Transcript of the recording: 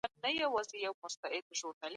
حکومت به له شتمنو څخه مالیه واخلي.